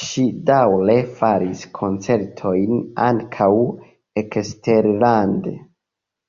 Ŝi daŭre faris koncertojn ankaŭ eksterlande.